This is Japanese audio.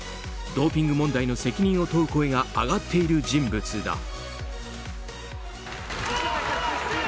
ドーピング問題の責任を問う声が上がっている人物だ。